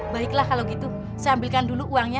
baiklah kalau gitu saya ambilkan dulu uangnya